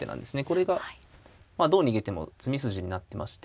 これがどう逃げても詰み筋になってまして。